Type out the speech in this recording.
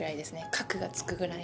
格がつくぐらい。